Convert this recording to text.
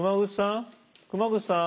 熊楠さん？